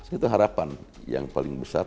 itu harapan yang paling besar